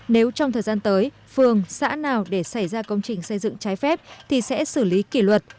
nếu trong thời gian tới phường xã nào để xảy ra công trình xây dựng trái phép thì sẽ xử lý kỷ luật